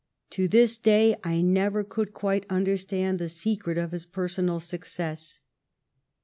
To this day I never could quite understand the secret of his personal success.